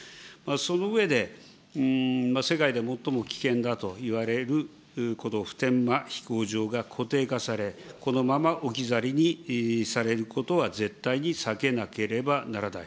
その上で、世界で最も危険だといわれるこの普天間飛行場が固定化され、このまま置き去りにされることは絶対に避けなければならない。